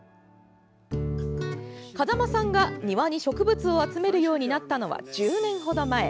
風間さんが、庭に植物を集めるようになったのは１０年程前。